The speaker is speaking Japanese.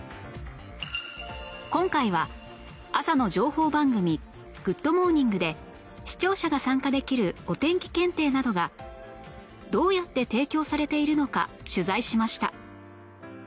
今回は朝の情報番組『グッド！モーニング』で視聴者が参加できる「お天気検定」などがどうやって提供されているのか取材しました